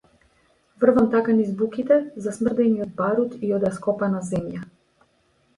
Врвам така низ буките, засмрдени од барут и од раскопана земја.